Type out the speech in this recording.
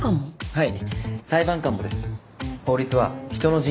はい。